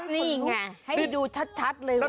นี่ไงให้ดูชัดเลยว่า